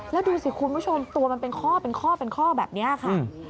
แล้วดูสิคุณผู้ชมตัวมันเป็นข้อแบบนี้ค่ะ